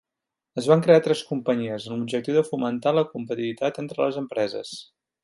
Es van crear tres companyies amb l'objectiu de fomentar la competitivitat entre les empreses.